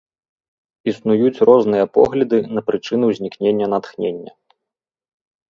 Існуюць розныя погляды на прычыны ўзнікнення натхнення.